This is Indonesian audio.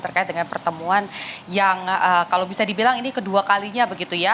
terkait dengan pertemuan yang kalau bisa dibilang ini kedua kalinya begitu ya